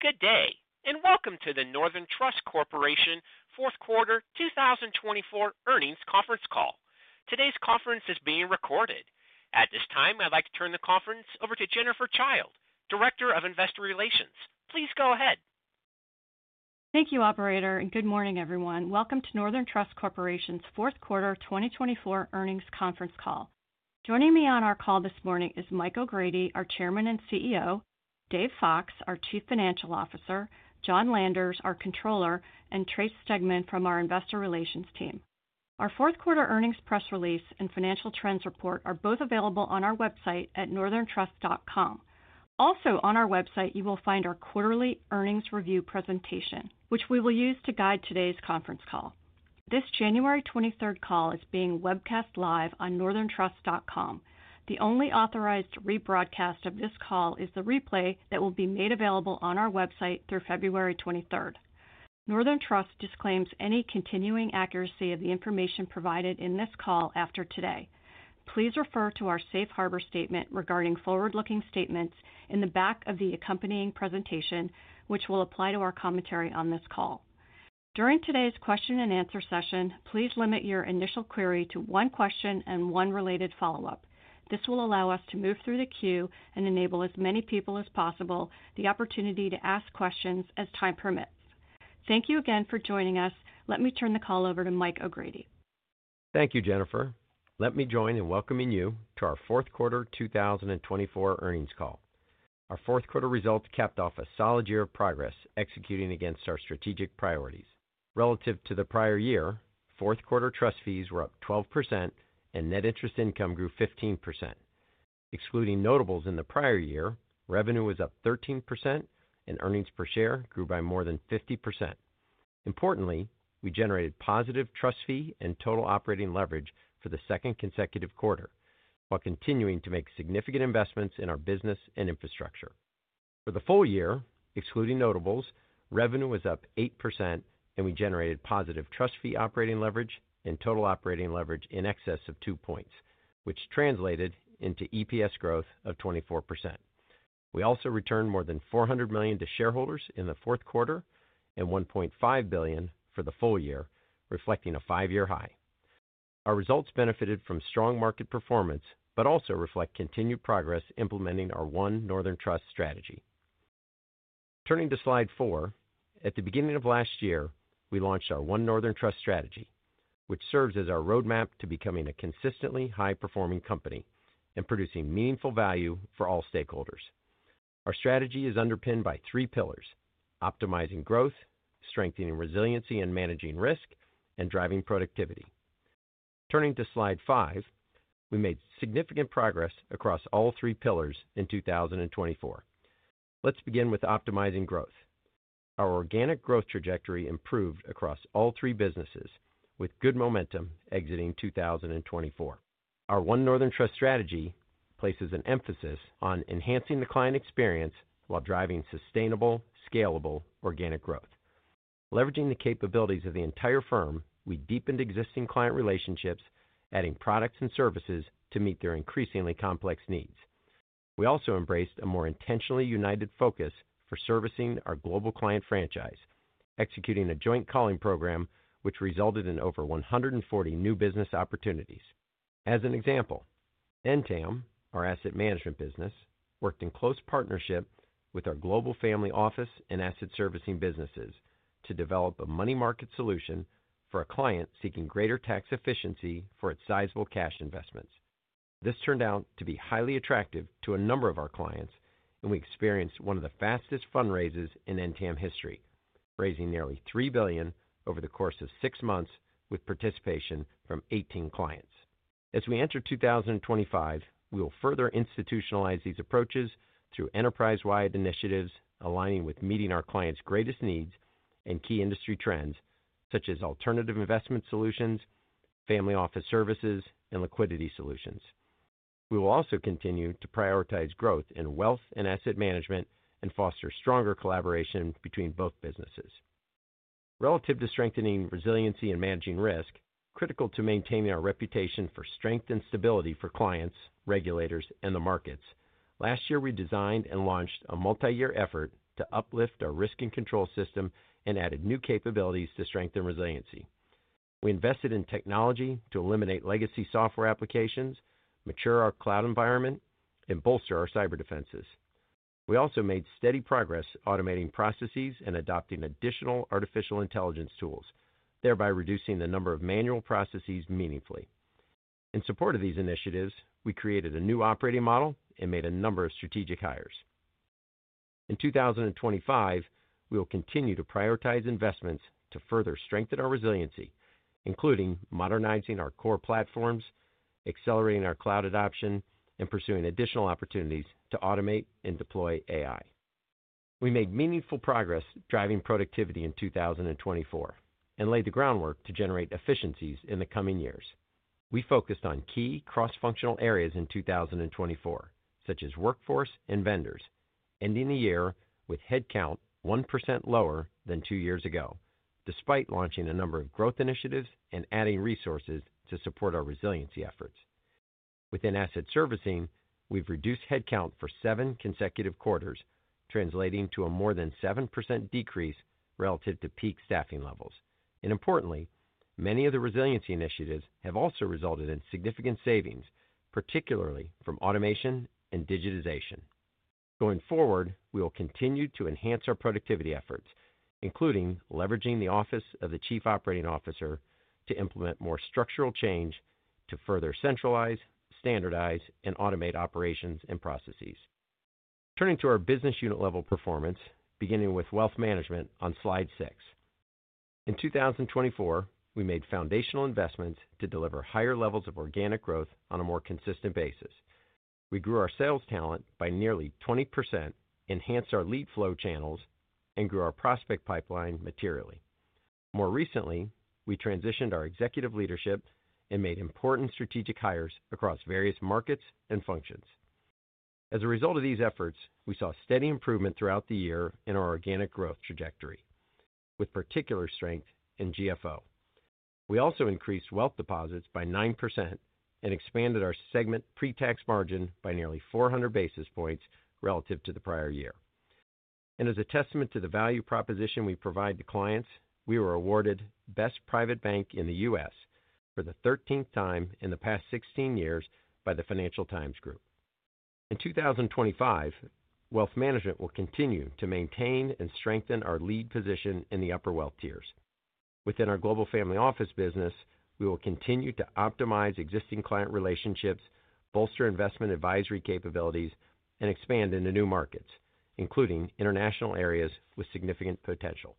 Good day, and welcome to the Northern Trust Corporation fourth quarter 2024 earnings conference call. Today's conference is being recorded. At this time, I'd like to turn the conference over to Jennifer Childe, Director of Investor Relations. Please go ahead. Thank you, Operator, and good morning, everyone. Welcome to Northern Trust Corporation's Fourth Quarter 2024 earnings conference call. Joining me on our call this morning is Mike O'Grady, our Chairman and CEO, Dave Fox, our Chief Financial Officer, John Landers, our Controller, and Trace Stegman from our Investor Relations team. Our Fourth Quarter earnings press release and financial trends report are both available on our website at northerntrust.com. Also, on our website, you will find our Quarterly Earnings Review presentation, which we will use to guide today's conference call. This January 23rd call is being webcast live on northerntrust.com. The only authorized rebroadcast of this call is the replay that will be made available on our website through February 23rd. Northern Trust disclaims any continuing accuracy of the information provided in this call after today. Please refer to our safe harbor statement regarding forward-looking statements in the back of the accompanying presentation, which will apply to our commentary on this call. During today's question-and-answer session, please limit your initial query to one question and one related follow-up. This will allow us to move through the queue and enable as many people as possible the opportunity to ask questions as time permits. Thank you again for joining us. Let me turn the call over to Mike O'Grady. Thank you, Jennifer. Let me join in welcoming you to our Fourth Quarter 2024 earnings call. Our Fourth Quarter results capped off a solid year of progress executing against our strategic priorities. Relative to the prior year, Fourth Quarter trust fees were up 12%, and net interest income grew 15%. Excluding notables in the prior year, revenue was up 13%, and earnings per share grew by more than 50%. Importantly, we generated positive trust fee and total operating leverage for the second consecutive quarter, while continuing to make significant investments in our business and infrastructure. For the full year, excluding notables, revenue was up 8%, and we generated positive trust fee operating leverage and total operating leverage in excess of two points, which translated into EPS growth of 24%. We also returned more than $400 million to shareholders in the fourth quarter and $1.5 billion for the full year, reflecting a five-year high. Our results benefited from strong market performance but also reflect continued progress implementing our One Northern Trust strategy. Turning to slide four, at the beginning of last year, we launched our One Northern Trust strategy, which serves as our roadmap to becoming a consistently high-performing company and producing meaningful value for all stakeholders. Our strategy is underpinned by three pillars: optimizing growth, strengthening resiliency and managing risk, and driving productivity. Turning to slide five, we made significant progress across all three pillars in 2024. Let's begin with optimizing growth. Our organic growth trajectory improved across all three businesses, with good momentum exiting 2024. Our One Northern Trust strategy places an emphasis on enhancing the client experience while driving sustainable, scalable organic growth. Leveraging the capabilities of the entire firm, we deepened existing client relationships, adding products and services to meet their increasingly complex needs. We also embraced a more intentionally united focus for servicing our global client franchise, executing a joint calling program which resulted in over 140 new business opportunities. As an example, NTAM, our Asset Management business, worked in close partnership with our Global Family Office and Asset Servicing businesses to develop a money market solution for a client seeking greater tax efficiency for its sizable cash investments. This turned out to be highly attractive to a number of our clients, and we experienced one of the fastest fundraisers in NTAM history, raising nearly $3 billion over the course of six months with participation from 18 clients. As we enter 2025, we will further institutionalize these approaches through enterprise-wide initiatives aligning with meeting our clients' greatest needs and key industry trends, such as alternative investment solutions, family office services, and liquidity solutions. We will also continue to prioritize growth in wealth and Asset Management and foster stronger collaboration between both businesses. Relative to strengthening resiliency and managing risk, critical to maintaining our reputation for strength and stability for clients, regulators, and the markets, last year we designed and launched a multi-year effort to uplift our risk and control system and added new capabilities to strengthen resiliency. We invested in technology to eliminate legacy software applications, mature our cloud environment, and bolster our cyber defenses. We also made steady progress automating processes and adopting additional artificial intelligence tools, thereby reducing the number of manual processes meaningfully. In support of these initiatives, we created a new operating model and made a number of strategic hires. In 2025, we will continue to prioritize investments to further strengthen our resiliency, including modernizing our core platforms, accelerating our cloud adoption, and pursuing additional opportunities to automate and deploy AI. We made meaningful progress driving productivity in 2024 and laid the groundwork to generate efficiencies in the coming years. We focused on key cross-functional areas in 2024, such as workforce and vendors, ending the year with headcount 1% lower than two years ago, despite launching a number of growth initiatives and adding resources to support our resiliency efforts. Within Asset Servicing, we've reduced headcount for seven consecutive quarters, translating to a more than 7% decrease relative to peak staffing levels, and importantly, many of the resiliency initiatives have also resulted in significant savings, particularly from automation and digitization. Going forward, we will continue to enhance our productivity efforts, including leveraging the office of the Chief Operating Officer to implement more structural change to further centralize, standardize, and automate operations and processes. Turning to our business unit-level performance, beginning with Wealth Management on slide six. In 2024, we made foundational investments to deliver higher levels of organic growth on a more consistent basis. We grew our sales talent by nearly 20%, enhanced our lead flow channels, and grew our prospect pipeline materially. More recently, we transitioned our executive leadership and made important strategic hires across various markets and functions. As a result of these efforts, we saw steady improvement throughout the year in our organic growth trajectory, with particular strength in GFO. We also increased wealth deposits by 9% and expanded our segment pre-tax margin by nearly 400 basis points relative to the prior year. As a testament to the value proposition we provide to clients, we were awarded Best Private Bank in the U.S. for the 13th time in the past 16 years by the Financial Times Group. In 2025, Wealth Management will continue to maintain and strengthen our lead position in the upper wealth tiers. Within our Global Family Office business, we will continue to optimize existing client relationships, bolster investment advisory capabilities, and expand into new markets, including international areas with significant potential.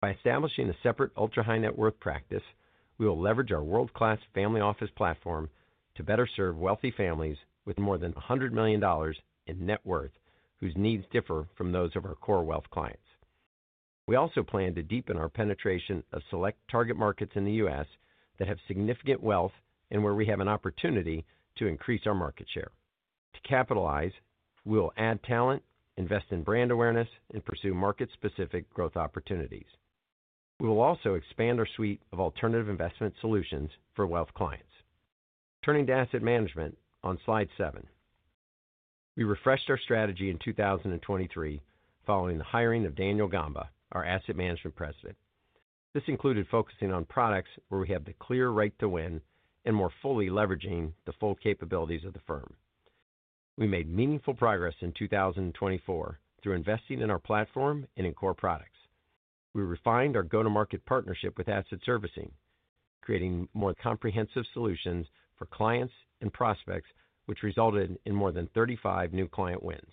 By establishing a separate ultra-high net worth practice, we will leverage our world-class family office platform to better serve wealthy families with more than $100 million in net worth whose needs differ from those of our core wealth clients. We also plan to deepen our penetration of select target markets in the U.S. that have significant wealth and where we have an opportunity to increase our market share. To capitalize, we will add talent, invest in brand awareness, and pursue market-specific growth opportunities. We will also expand our suite of alternative investment solutions for wealth clients. Turning to Asset Management on slide seven, we refreshed our strategy in 2023 following the hiring of Daniel Gamba, our Asset Management President. This included focusing on products where we have the clear right to win and more fully leveraging the full capabilities of the firm. We made meaningful progress in 2024 through investing in our platform and in core products. We refined our go-to-market partnership with Asset Servicing, creating more comprehensive solutions for clients and prospects, which resulted in more than 35 new client wins.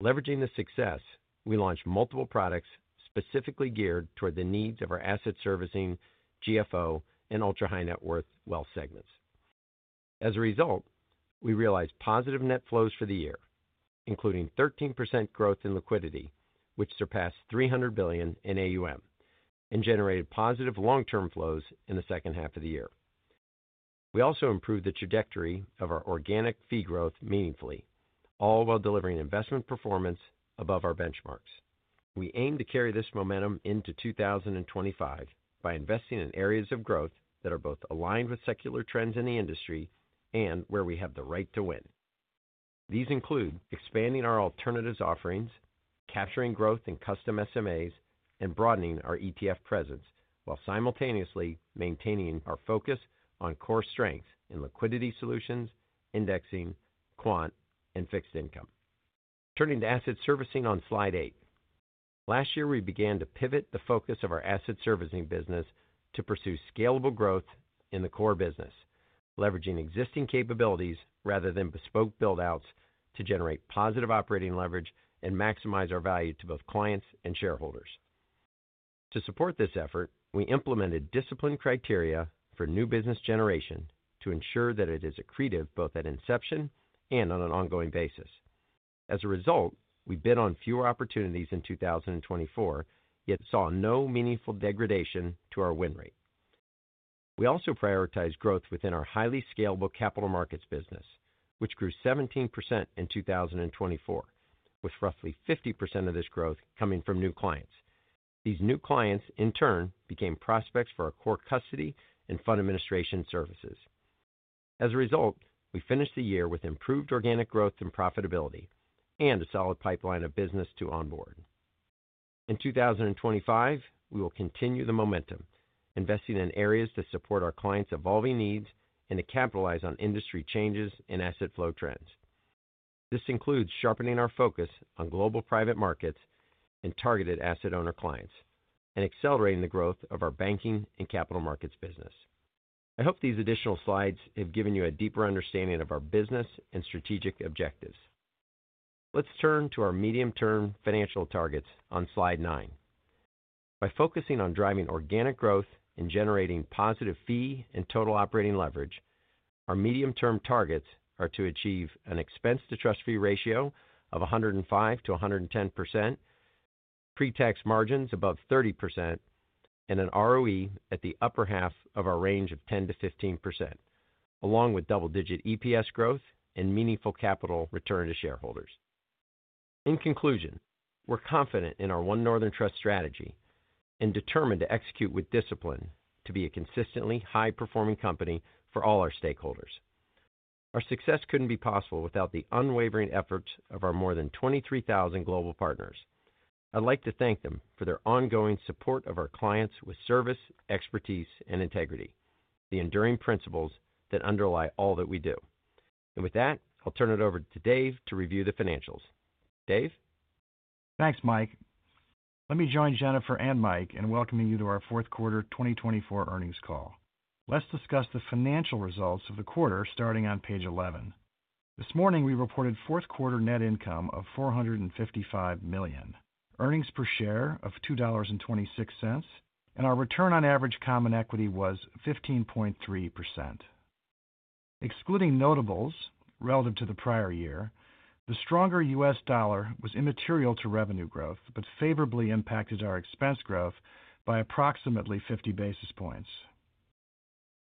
Leveraging this success, we launched multiple products specifically geared toward the needs of our Asset Servicing, GFO, and ultra-high net worth wealth segments. As a result, we realized positive net flows for the year, including 13% growth in liquidity, which surpassed $300 billion in AUM, and generated positive long-term flows in the second half of the year. We also improved the trajectory of our organic fee growth meaningfully, all while delivering investment performance above our benchmarks. We aim to carry this momentum into 2025 by investing in areas of growth that are both aligned with secular trends in the industry and where we have the right to win. These include expanding our alternatives offerings, capturing growth in custom SMAs, and broadening our ETF presence while simultaneously maintaining our focus on core strengths in liquidity solutions, indexing, quant, and fixed income. Turning to Asset Servicing on slide eight, last year we began to pivot the focus of our Asset Servicing business to pursue scalable growth in the core business, leveraging existing capabilities rather than bespoke build-outs to generate positive operating leverage and maximize our value to both clients and shareholders. To support this effort, we implemented discipline criteria for new business generation to ensure that it is accretive both at inception and on an ongoing basis. As a result, we bid on fewer opportunities in 2024, yet saw no meaningful degradation to our win rate. We also prioritized growth within our highly scalable capital markets business, which grew 17% in 2024, with roughly 50% of this growth coming from new clients. These new clients, in turn, became prospects for our core custody and fund administration services. As a result, we finished the year with improved organic growth and profitability and a solid pipeline of business to onboard. In 2025, we will continue the momentum, investing in areas to support our clients' evolving needs and to capitalize on industry changes and asset flow trends. This includes sharpening our focus on global private markets and targeted asset owner clients, and accelerating the growth of our banking and capital markets business. I hope these additional slides have given you a deeper understanding of our business and strategic objectives. Let's turn to our medium-term financial targets on slide nine. By focusing on driving organic growth and generating positive fee and total operating leverage, our medium-term targets are to achieve an expense-to-trust fee ratio of 105%-110%, pre-tax margins above 30%, and an ROE at the upper half of our range of 10%-15%, along with double-digit EPS growth and meaningful capital return to shareholders. In conclusion, we're confident in our One Northern Trust strategy and determined to execute with discipline to be a consistently high-performing company for all our stakeholders. Our success couldn't be possible without the unwavering efforts of our more than 23,000 global partners. I'd like to thank them for their ongoing support of our clients with service, expertise, and integrity, the enduring principles that underlie all that we do. And with that, I'll turn it over to Dave to review the financials. Dave? Thanks, Mike. Let me join Jennifer and Mike in welcoming you to our fourth quarter 2024 earnings call. Let's discuss the financial results of the quarter starting on page 11. This morning, we reported fourth quarter net income of $455 million, earnings per share of $2.26, and our return on average common equity was 15.3%. Excluding notables, relative to the prior year, the stronger U.S. dollar was immaterial to revenue growth but favorably impacted our expense growth by approximately 50 basis points.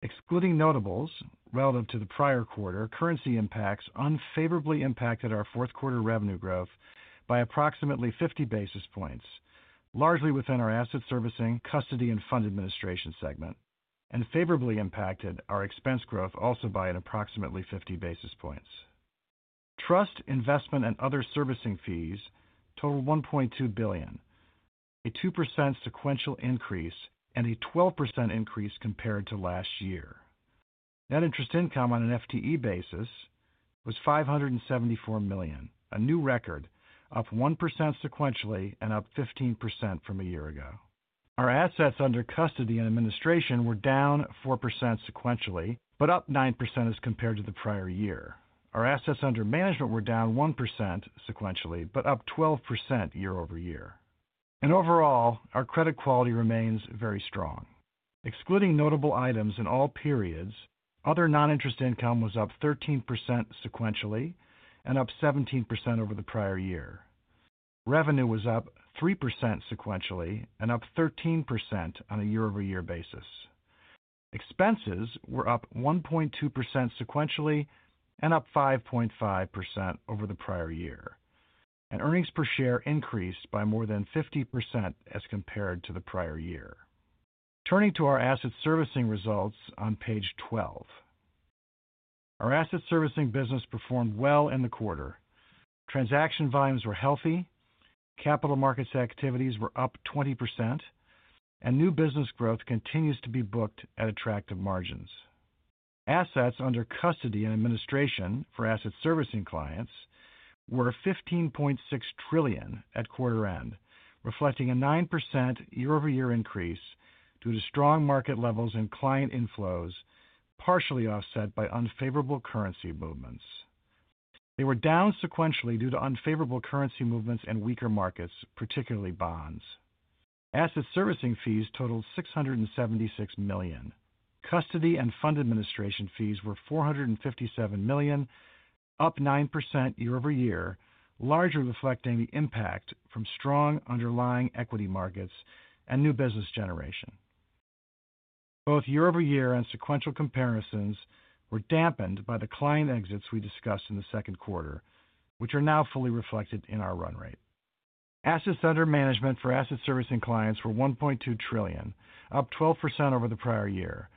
Excluding notables, relative to the prior quarter, currency impacts unfavorably impacted our fourth quarter revenue growth by approximately 50 basis points, largely within our Asset Servicing, custody, and fund administration segment, and favorably impacted our expense growth also by approximately 50 basis points. Trust, investment, and other servicing fees totaled $1.2 billion, a 2% sequential increase and a 12% increase compared to last year. Net interest income on an FTE basis was $574 million, a new record, up 1% sequentially and up 15% from a year ago. Our assets under custody and administration were down 4% sequentially but up 9% as compared to the prior year. Our assets under management were down 1% sequentially but up 12% year over year. Overall, our credit quality remains very strong. Excluding notable items in all periods, other non-interest income was up 13% sequentially and up 17% over the prior year. Revenue was up 3% sequentially and up 13% on a year-over-year basis. Expenses were up 1.2% sequentially and up 5.5% over the prior year. Earnings per share increased by more than 50% as compared to the prior year. Turning to our Asset Servicing results on page 12, our Asset Servicing business performed well in the quarter. Transaction volumes were healthy, capital markets activities were up 20%, and new business growth continues to be booked at attractive margins. Assets under custody and administration for Asset Servicing clients were $15.6 trillion at quarter end, reflecting a 9% year-over-year increase due to strong market levels and client inflows, partially offset by unfavorable currency movements. They were down sequentially due to unfavorable currency movements and weaker markets, particularly bonds. Asset Servicing fees totaled $676 million. Custody and fund administration fees were $457 million, up 9% year-over-year, largely reflecting the impact from strong underlying equity markets and new business generation. Both year-over-year and sequential comparisons were dampened by the client exits we discussed in the second quarter, which are now fully reflected in our run rate. Assets under management for Asset Servicing clients were $1.2 trillion, up 12% over the prior year.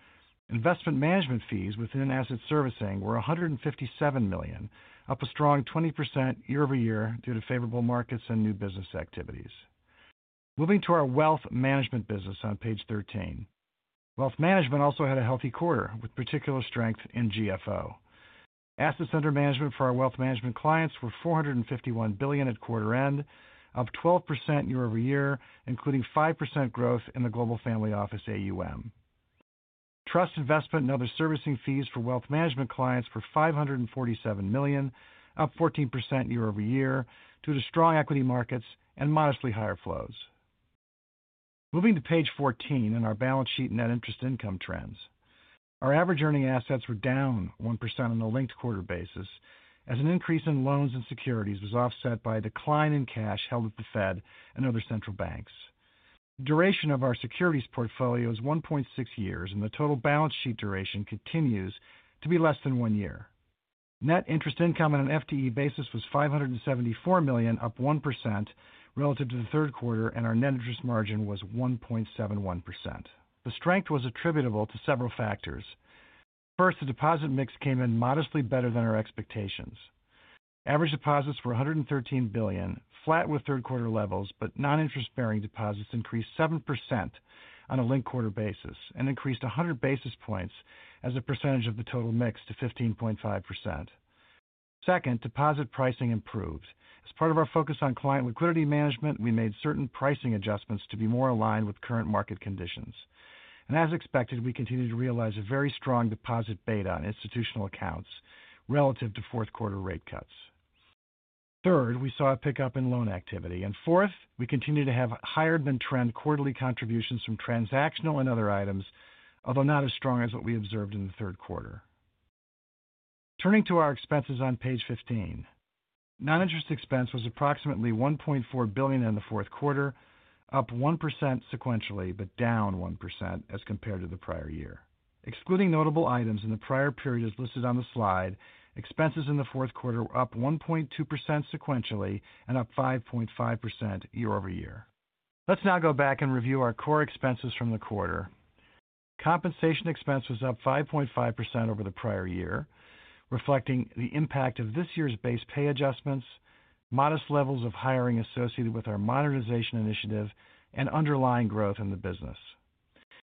Investment management fees within Asset Servicing were $157 million, up a strong 20% year-over-year due to favorable markets and new business activities. Moving to our Wealth Management business on page 13, Wealth Management also had a healthy quarter with particular strength in GFO. Assets under management for our Wealth Management clients were $451 billion at quarter end, up 12% year-over-year, including 5% growth in the Global Family Office AUM. Trust investment and other servicing fees for Wealth Management clients were $547 million, up 14% year-over-year due to strong equity markets and modestly higher flows. Moving to page 14 in our balance sheet net interest income trends, our average earning assets were down 1% on a linked quarter basis as an increase in loans and securities was offset by a decline in cash held at the Fed and other central banks. The duration of our securities portfolio is 1.6 years, and the total balance sheet duration continues to be less than one year. Net interest income on an FTE basis was $574 million, up 1% relative to the third quarter, and our net interest margin was 1.71%. The strength was attributable to several factors. First, the deposit mix came in modestly better than our expectations. Average deposits were $113 billion, flat with third quarter levels, but non-interest-bearing deposits increased 7% on a linked quarter basis and increased 100 basis points as a percentage of the total mix to 15.5%. Second, deposit pricing improved. As part of our focus on client liquidity management, we made certain pricing adjustments to be more aligned with current market conditions, and as expected, we continue to realize a very strong deposit beta on institutional accounts relative to fourth quarter rate cuts. Third, we saw a pickup in loan activity. And fourth, we continue to have higher than trend quarterly contributions from transactional and other items, although not as strong as what we observed in the third quarter. Turning to our expenses on page 15, non-interest expense was approximately $1.4 billion in the fourth quarter, up 1% sequentially but down 1% as compared to the prior year. Excluding notable items in the prior period as listed on the slide, expenses in the fourth quarter were up 1.2% sequentially and up 5.5% year-over-year. Let's now go back and review our core expenses from the quarter. Compensation expense was up 5.5% over the prior year, reflecting the impact of this year's base pay adjustments, modest levels of hiring associated with our modernization initiative, and underlying growth in the business.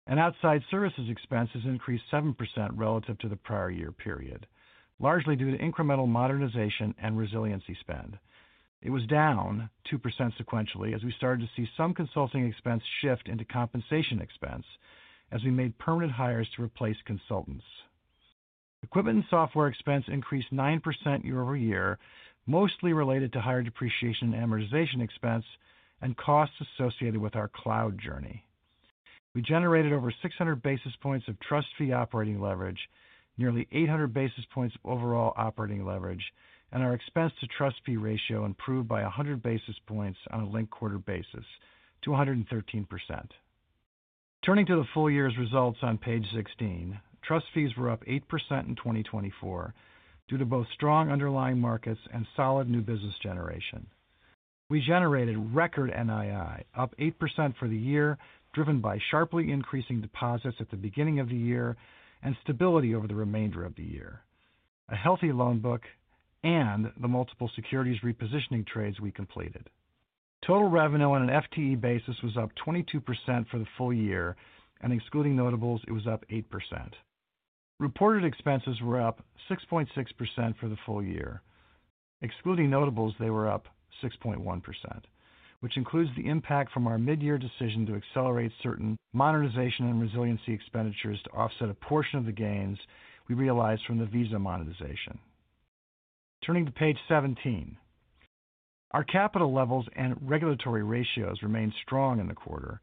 And outside services expenses increased 7% relative to the prior year period, largely due to incremental modernization and resiliency spend. It was down 2% sequentially as we started to see some consulting expense shift into compensation expense as we made permanent hires to replace consultants. Equipment and software expense increased 9% year-over-year, mostly related to higher depreciation and amortization expense and costs associated with our cloud journey. We generated over 600 basis points of trust fee operating leverage, nearly 800 basis points of overall operating leverage, and our expense-to-trust fee ratio improved by 100 basis points on a linked quarter basis to 113%. Turning to the full year's results on page 16, trust fees were up 8% in 2024 due to both strong underlying markets and solid new business generation. We generated record NII, up 8% for the year, driven by sharply increasing deposits at the beginning of the year and stability over the remainder of the year, a healthy loan book, and the multiple securities repositioning trades we completed. Total revenue on an FTE basis was up 22% for the full year, and excluding notables, it was up 8%. Reported expenses were up 6.6% for the full year. Excluding notables, they were up 6.1%, which includes the impact from our mid-year decision to accelerate certain modernization and resiliency expenditures to offset a portion of the gains we realized from the Visa monetization. Turning to page 17, our capital levels and regulatory ratios remained strong in the quarter,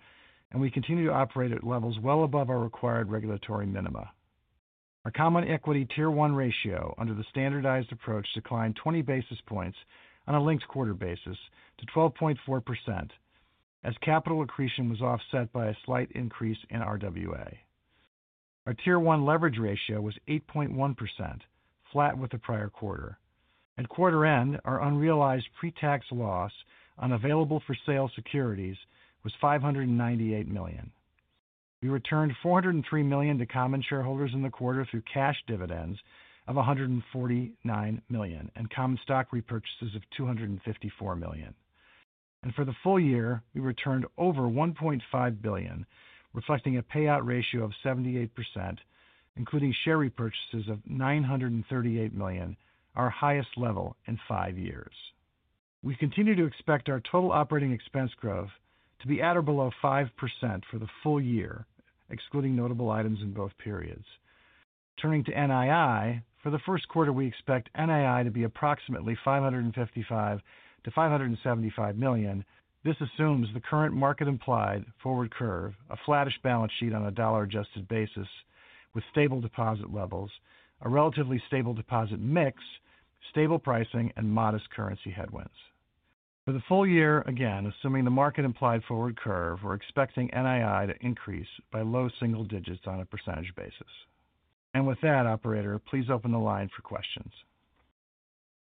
and we continue to operate at levels well above our required regulatory minima. Our Common Equity Tier 1 ratio under the standardized approach declined 20 basis points on a linked quarter basis to 12.4% as capital accretion was offset by a slight increase in RWA. Our Tier 1 leverage ratio was 8.1%, flat with the prior quarter. At quarter end, our unrealized pre-tax loss on available-for-sale securities was $598 million. We returned $403 million to common shareholders in the quarter through cash dividends of $149 million and common stock repurchases of $254 million, and for the full year, we returned over $1.5 billion, reflecting a payout ratio of 78%, including share repurchases of $938 million, our highest level in five years. We continue to expect our total operating expense growth to be at or below 5% for the full year, excluding notable items in both periods. Turning to NII, for the first quarter, we expect NII to be approximately $555-$575 million. This assumes the current market-implied forward curve, a flattish balance sheet on a dollar-adjusted basis with stable deposit levels, a relatively stable deposit mix, stable pricing, and modest currency headwinds. For the full year, again, assuming the market-implied forward curve, we're expecting NII to increase by low single digits on a percentage basis. And with that, Operator, please open the line for questions.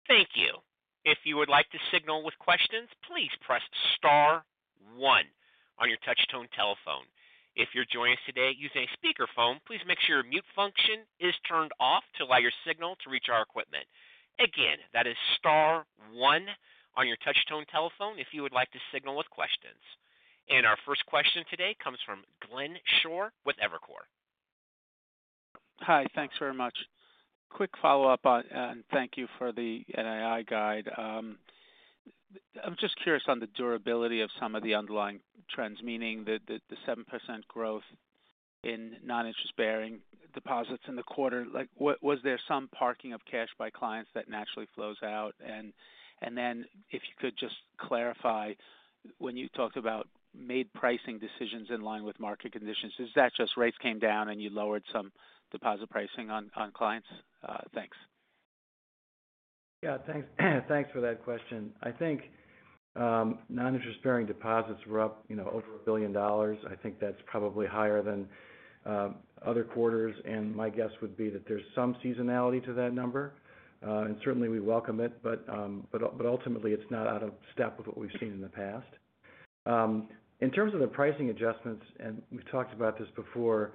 Thank you. If you would like to signal with questions, please press star one on your touchtone telephone. If you're joining us today using a speakerphone, please make sure your mute function is turned off to allow your signal to reach our equipment. Again, that is star one on your touchtone telephone if you would like to signal with questions. And our first question today comes from Glenn Schorr with Evercore. Hi, thanks very much. Quick follow-up on, and thank you for the NII guide. I'm just curious on the durability of some of the underlying trends, meaning the 7% growth in non-interest-bearing deposits in the quarter. Was there some parking of cash by clients that naturally flows out? And then if you could just clarify when you talked about made pricing decisions in line with market conditions, is that just rates came down and you lowered some deposit pricing on clients? Thanks. Yeah, thanks for that question. I think non-interest-bearing deposits were up over $1 billion. I think that's probably higher than other quarters. And my guess would be that there's some seasonality to that number. And certainly, we welcome it, but ultimately, it's not out of step with what we've seen in the past. In terms of the pricing adjustments, and we've talked about this before,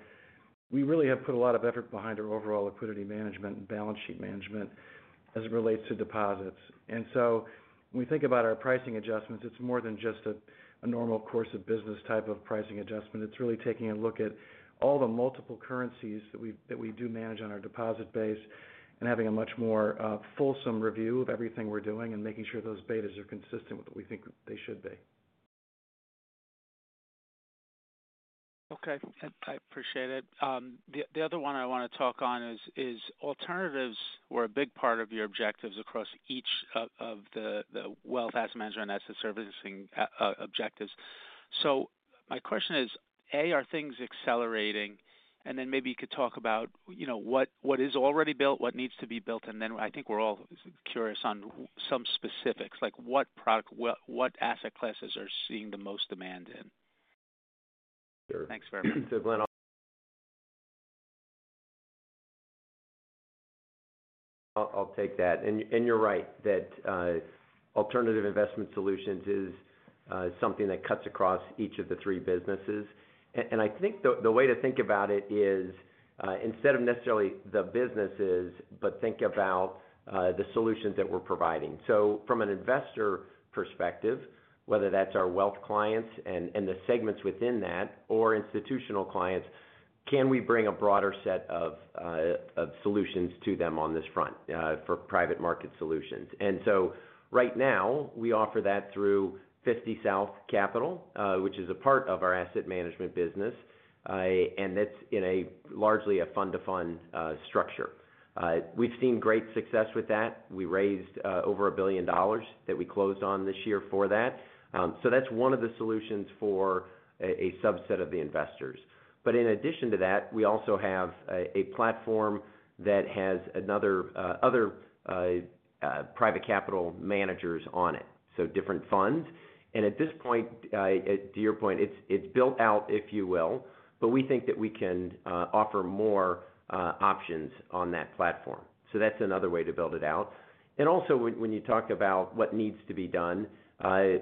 we really have put a lot of effort behind our overall liquidity management and balance sheet management as it relates to deposits, and so when we think about our pricing adjustments, it's more than just a normal course of business type of pricing adjustment. It's really taking a look at all the multiple currencies that we do manage on our deposit base and having a much more fulsome review of everything we're doing and making sure those betas are consistent with what we think they should be. Okay. I appreciate it. The other one I want to talk on is alternatives were a big part of your objectives across each of the wealth, Asset Management, and Asset Servicing objectives. So my question is, A, are things accelerating? And then maybe you could talk about what is already built, what needs to be built, and then I think we're all curious on some specifics, like what asset classes are seeing the most demand in. Sure. Thanks very much. I'll take that. And you're right that alternative investment solutions is something that cuts across each of the three businesses. And I think the way to think about it is instead of necessarily the businesses, but think about the solutions that we're providing. So from an investor perspective, whether that's our wealth clients and the segments within that or institutional clients, can we bring a broader set of solutions to them on this front for private market solutions? And so right now, we offer that through 50 South Capital, which is a part of our Asset Management business, and that's largely a fund-of-funds structure. We've seen great success with that. We raised over $1 billion that we closed on this year for that, so that's one of the solutions for a subset of the investors. But in addition to that, we also have a platform that has other private capital managers on it, so different funds. And at this point, to your point, it's built out, if you will, but we think that we can offer more options on that platform, so that's another way to build it out. And also, when you talk about what needs to be done,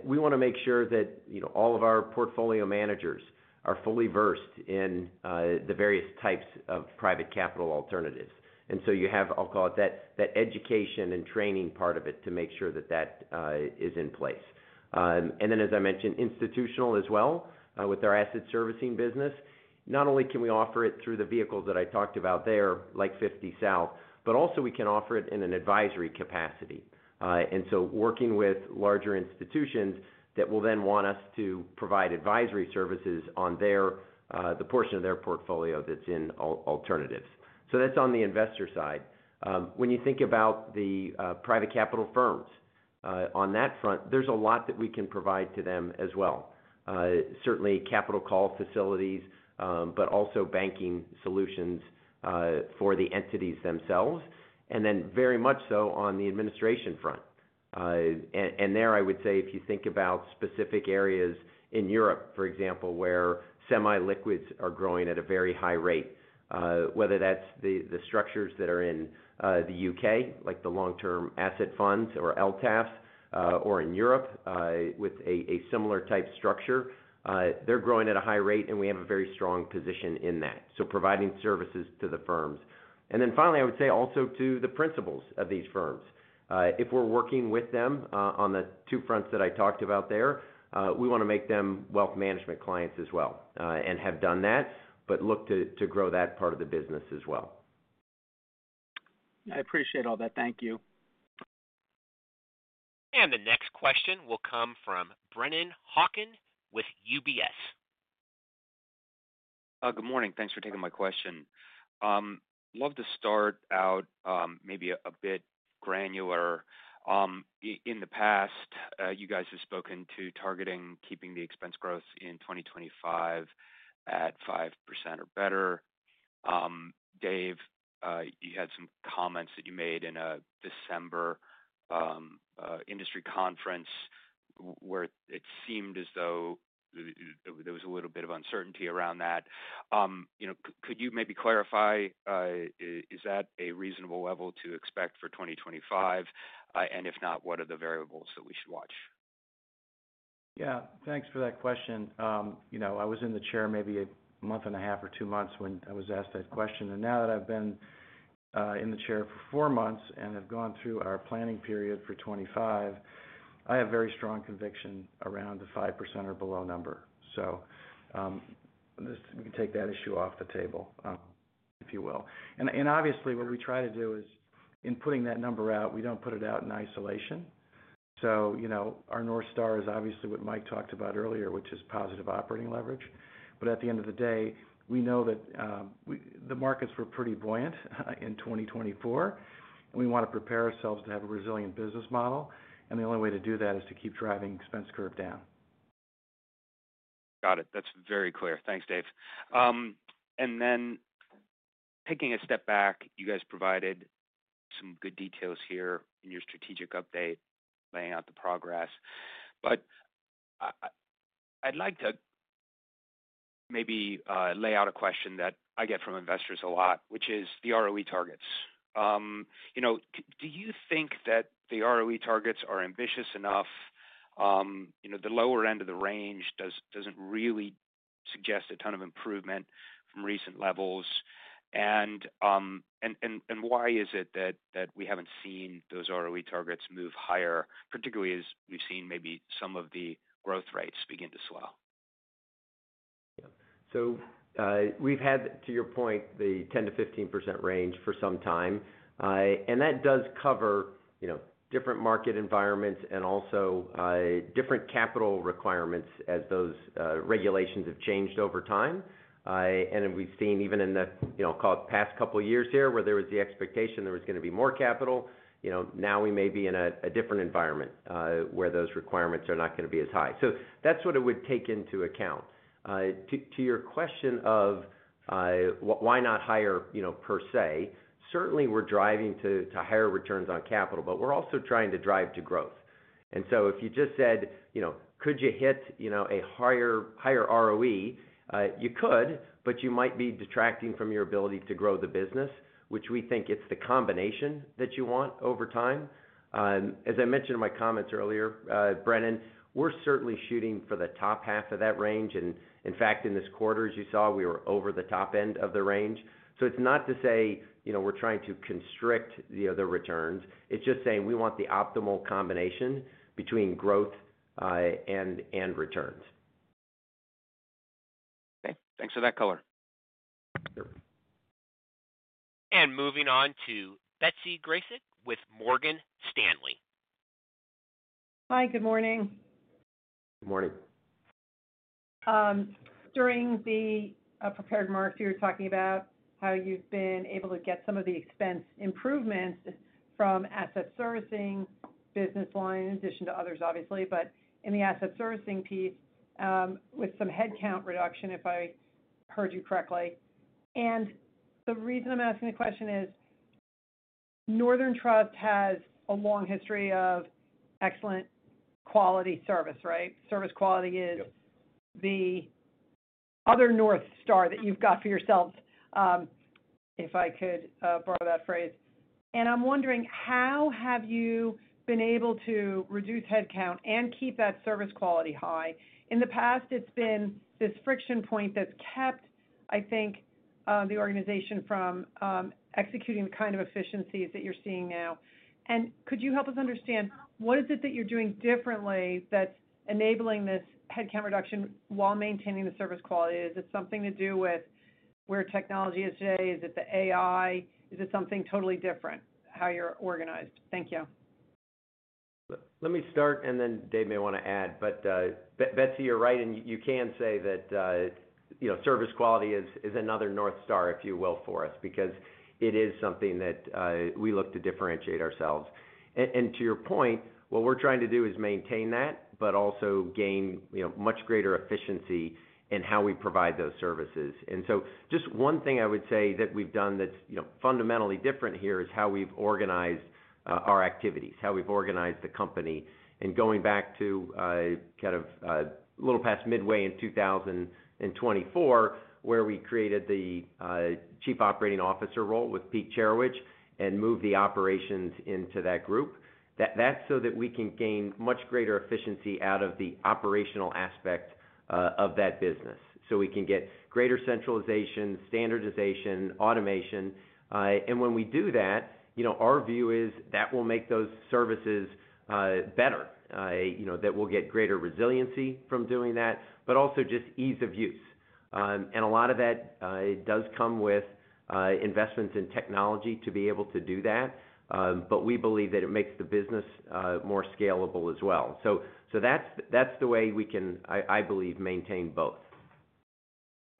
we want to make sure that all of our portfolio managers are fully versed in the various types of private capital alternatives. And so you have, I'll call it that education and training part of it to make sure that that is in place. And then, as I mentioned, institutional as well with our Asset Servicing business. Not only can we offer it through the vehicles that I talked about there, like 50 South, but also we can offer it in an advisory capacity, and so working with larger institutions that will then want us to provide advisory services on the portion of their portfolio that's in alternatives, so that's on the investor side. When you think about the private capital firms on that front, there's a lot that we can provide to them as well. Certainly, capital call facilities, but also banking solutions for the entities themselves, and then very much so on the administration front. And there, I would say, if you think about specific areas in Europe, for example, where semi-liquids are growing at a very high rate, whether that's the structures that are in the UK, like the long-term asset funds or LTAFs, or in Europe with a similar type structure, they're growing at a high rate, and we have a very strong position in that. So providing services to the firms. And then finally, I would say also to the principals of these firms, if we're working with them on the two fronts that I talked about there, we want to make them Wealth Management clients as well and have done that, but look to grow that part of the business as well. I appreciate all that. Thank you. And the next question will come from Brennan Hawken with UBS. Good morning. Thanks for taking my question. love to start out maybe a bit granular. In the past, you guys have spoken to targeting keeping the expense growth in 2025 at 5% or better. Dave, you had some comments that you made in a December industry conference where it seemed as though there was a little bit of uncertainty around that. Could you maybe clarify, is that a reasonable level to expect for 2025? And if not, what are the variables that we should watch? Yeah. Thanks for that question. I was in the chair maybe a month and a half or two months when I was asked that question. And now that I've been in the chair for four months and have gone through our planning period for 2025, I have very strong conviction around the 5% or below number. So we can take that issue off the table, if you will. And obviously, what we try to do is in putting that number out, we don't put it out in isolation. So our North Star is obviously what Mike talked about earlier, which is positive operating leverage. But at the end of the day, we know that the markets were pretty buoyant in 2024, and we want to prepare ourselves to have a resilient business model. And the only way to do that is to keep driving the expense curve down. Got it. That's very clear. Thanks, Dave. And then taking a step back, you guys provided some good details here in your strategic update, laying out the progress. But I'd like to maybe lay out a question that I get from investors a lot, which is the ROE targets. Do you think that the ROE targets are ambitious enough? The lower end of the range doesn't really suggest a ton of improvement from recent levels. And why is it that we haven't seen those ROE targets move higher, particularly as we've seen maybe some of the growth rates begin to slow? Yeah. So we've had, to your point, the 10%-15% range for some time. And that does cover different market environments and also different capital requirements as those regulations have changed over time. And we've seen even in the, I'll call it, past couple of years here where there was the expectation there was going to be more capital, now we may be in a different environment where those requirements are not going to be as high. So that's what it would take into account. To your question of why not higher per se, certainly we're driving to higher returns on capital, but we're also trying to drive to growth. And so if you just said, "Could you hit a higher ROE?" You could, but you might be detracting from your ability to grow the business, which we think it's the combination that you want over time. As I mentioned in my comments earlier, Brennan, we're certainly shooting for the top half of that range. And in fact, in this quarter, as you saw, we were over the top end of the range. So it's not to say we're trying to constrict the other returns. It's just saying we want the optimal combination between growth and returns. Okay. Thanks for that color. And moving on to Betsy Graseck with Morgan Stanley. Hi. Good morning. Good morning. During the prepared remarks, you were talking about how you've been able to get some of the expense improvements from Asset Servicing business line, in addition to others, obviously, but in the Asset Servicing piece with some headcount reduction, if I heard you correctly. And the reason I'm asking the question is Northern Trust has a long history of excellent quality service, right? Service quality is the other north star that you've got for yourselves, if I could borrow that phrase. And I'm wondering, how have you been able to reduce headcount and keep that service quality high? In the past, it's been this friction point that's kept, I think, the organization from executing the kind of efficiencies that you're seeing now. And could you help us understand what is it that you're doing differently that's enabling this headcount reduction while maintaining the service quality? Is it something to do with where technology is today? Is it the AI? Is it something totally different, how you're organized? Thank you. Let me start, and then Dave may want to add. But Betsy, you're right, and you can say that service quality is another north star, if you will, for us, because it is something that we look to differentiate ourselves. And to your point, what we're trying to do is maintain that, but also gain much greater efficiency in how we provide those services. And so just one thing I would say that we've done that's fundamentally different here is how we've organized our activities, how we've organized the company. Going back to kind of a little past midway in 2024, where we created the Chief Operating Officer role with Pete Cherecwich and moved the operations into that group, that's so that we can gain much greater efficiency out of the operational aspect of that business. So we can get greater centralization, standardization, automation. And when we do that, our view is that will make those services better, that we'll get greater resiliency from doing that, but also just ease of use. And a lot of that does come with investments in technology to be able to do that, but we believe that it makes the business more scalable as well. So that's the way we can, I believe, maintain both.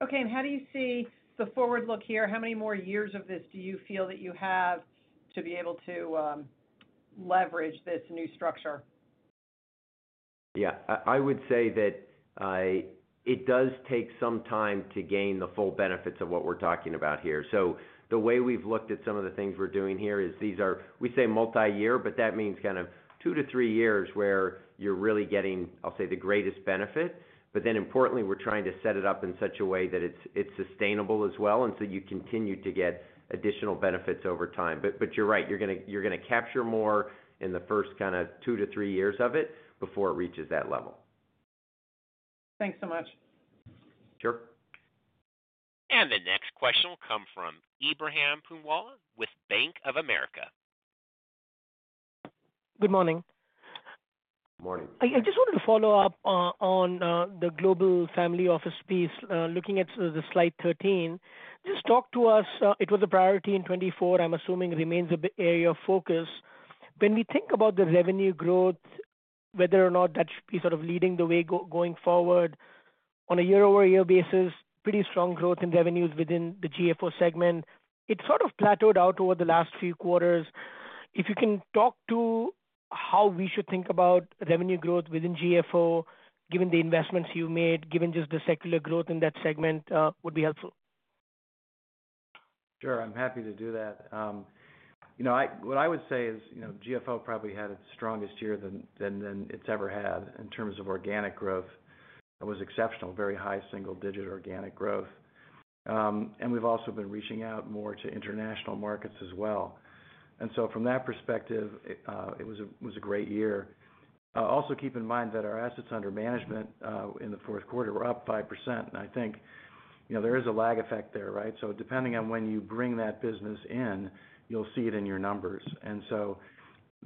Okay. And how do you see the forward look here? How many more years of this do you feel that you have to be able to leverage this new structure? Yeah. I would say that it does take some time to gain the full benefits of what we're talking about here. So the way we've looked at some of the things we're doing here is these are, we say multi-year, but that means kind of two to three years where you're really getting, I'll say, the greatest benefit. But then importantly, we're trying to set it up in such a way that it's sustainable as well and so you continue to get additional benefits over time. But you're right, you're going to capture more in the first kind of two to three years of it before it reaches that level. Thanks so much. Sure. And the next question will come from Ebrahim Poonawalla with Bank of America. Good morning. Morning. I just wanted to follow up on the Global Family Office piece, looking at slide 13. Just talk to us. It was a priority in 2024. I'm assuming it remains a big area of focus. When we think about the revenue growth, whether or not that should be sort of leading the way going forward on a year-over-year basis, pretty strong growth in revenues within the GFO segment. It sort of plateaued out over the last few quarters. If you can talk to how we should think about revenue growth within GFO, given the investments you've made, given just the secular growth in that segment, that would be helpful. Sure. I'm happy to do that. What I would say is GFO probably had its strongest year that it's ever had in terms of organic growth. It was exceptional, very high single-digit organic growth. And we've also been reaching out more to international markets as well. And so from that perspective, it was a great year. Also keep in mind that our assets under management in the fourth quarter were up 5%. And I think there is a lag effect there, right? So depending on when you bring that business in, you'll see it in your numbers. And so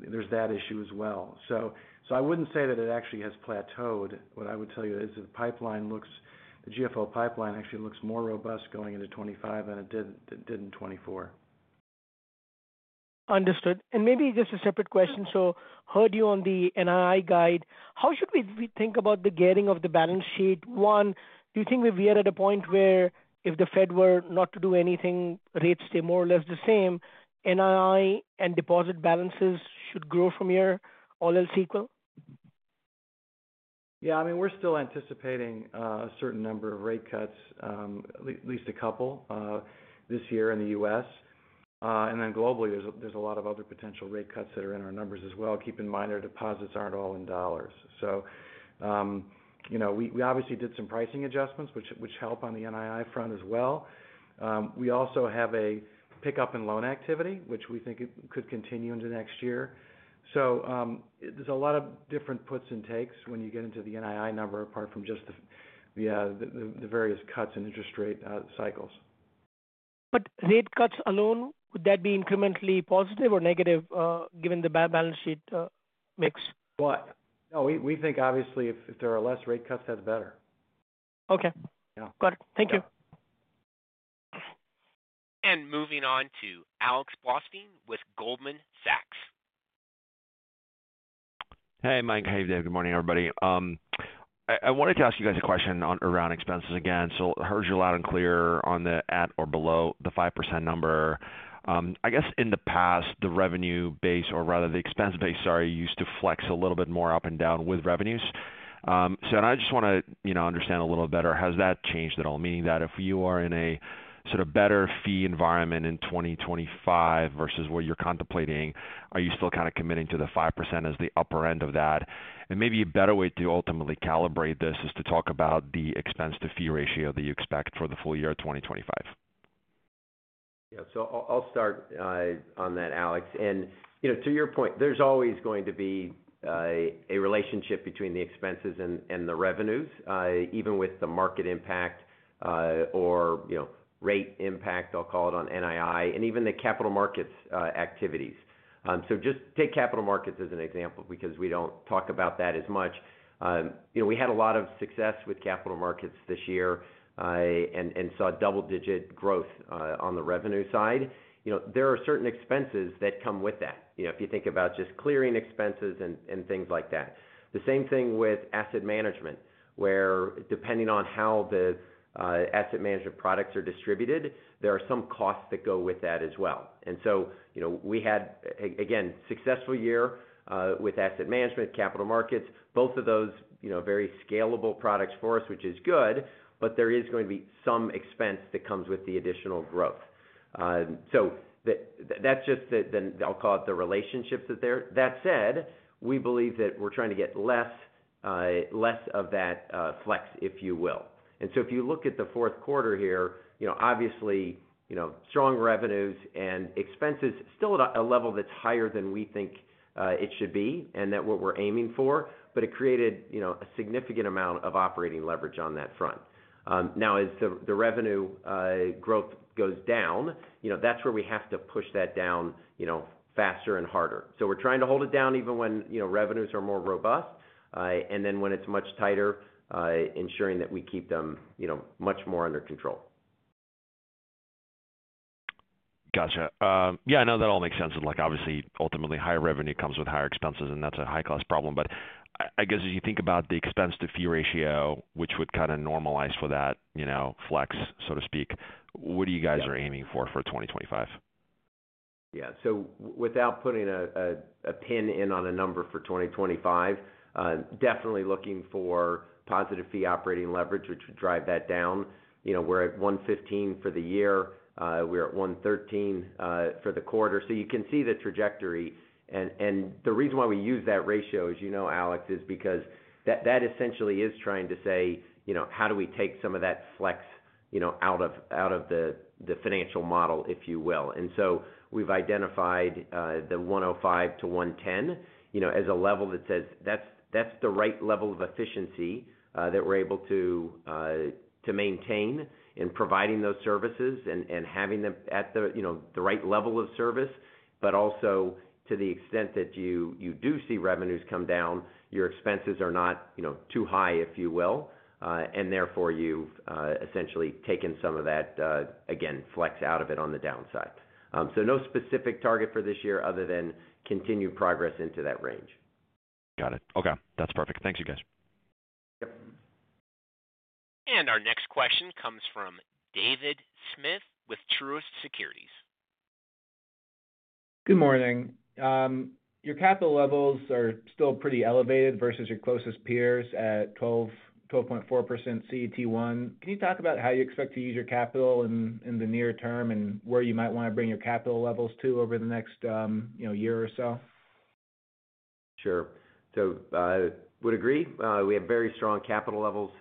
there's that issue as well. So I wouldn't say that it actually has plateaued. What I would tell you is the GFO pipeline actually looks more robust going into 2025 than it did in 2024. Understood. And maybe just a separate question. So heard you on the NII guide. How should we think about the gearing of the balance sheet? One, do you think we're at a point where if the Fed were not to do anything, rates stay more or less the same, NII and deposit balances should grow from here all else equal? Yeah. I mean, we're still anticipating a certain number of rate cuts, at least a couple this year in the U.S. And then globally, there's a lot of other potential rate cuts that are in our numbers as well. Keep in mind our deposits aren't all in dollars. So we obviously did some pricing adjustments, which help on the NII front as well. We also have a pickup in loan activity, which we think could continue into next year. So there's a lot of different puts and takes when you get into the NII number apart from just the various cuts and interest rate cycles. But rate cuts alone, would that be incrementally positive or negative given the balance sheet mix? What? No, we think obviously if there are less rate cuts, that's better. Okay. Got it. Thank you. And moving on to Alex Blostein with Goldman Sachs. Hey, Mike. How are you today? Good morning, everybody. I wanted to ask you guys a question around expenses again. So heard you loud and clear on the at or below the 5% number. I guess in the past, the revenue-based or rather the expense-based, sorry, used to flex a little bit more up and down with revenues. So I just want to understand a little better, has that changed at all? Meaning that if you are in a sort of better fee environment in 2025 versus what you're contemplating, are you still kind of committing to the 5% as the upper end of that? And maybe a better way to ultimately calibrate this is to talk about the expense-to-fee ratio that you expect for the full year of 2025. Yeah. So I'll start on that, Alex. And to your point, there's always going to be a relationship between the expenses and the revenues, even with the market impact or rate impact, I'll call it on NII, and even the capital markets activities. So just take capital markets as an example because we don't talk about that as much. We had a lot of success with capital markets this year and saw double-digit growth on the revenue side. There are certain expenses that come with that if you think about just clearing expenses and things like that. The same thing with Asset Management, where depending on how the Asset Management products are distributed, there are some costs that go with that as well. And so we had, again, a successful year with Asset Management, capital markets, both of those very scalable products for us, which is good, but there is going to be some expense that comes with the additional growth. So that's just the, I'll call it the relationships that there. That said, we believe that we're trying to get less of that flex, if you will. And so if you look at the fourth quarter here, obviously, strong revenues and expenses still at a level that's higher than we think it should be and that what we're aiming for, but it created a significant amount of operating leverage on that front. Now, as the revenue growth goes down, that's where we have to push that down faster and harder. So we're trying to hold it down even when revenues are more robust, and then when it's much tighter, ensuring that we keep them much more under control. Gotcha. Yeah. No, that all makes sense. Obviously, ultimately, higher revenue comes with higher expenses, and that's a high-class problem. But I guess as you think about the expense-to-fee ratio, which would kind of normalize for that flex, so to speak, what do you guys are aiming for for 2025? Yeah. So without putting a pin in on a number for 2025, definitely looking for positive fee operating leverage, which would drive that down. We're at 115 for the year. We're at 113 for the quarter. So you can see the trajectory. The reason why we use that ratio, as you know, Alex, is because that essentially is trying to say, how do we take some of that flex out of the financial model, if you will? And so we've identified the 105-110 as a level that says that's the right level of efficiency that we're able to maintain in providing those services and having them at the right level of service, but also to the extent that you do see revenues come down, your expenses are not too high, if you will, and therefore you've essentially taken some of that, again, flex out of it on the downside. So no specific target for this year other than continued progress into that range. Got it. Okay. That's perfect. Thanks, you guys. Yep. And our next question comes from David Smith with Truist Securities. Good morning. Your capital levels are still pretty elevated versus your closest peers at 12.4% CET1. Can you talk about how you expect to use your capital in the near term and where you might want to bring your capital levels to over the next year or so? Sure. So I would agree. We have very strong capital levels